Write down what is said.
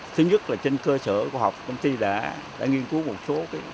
thứ nhất là trên cơ sở khoa học công ty đã nghiên cứu một số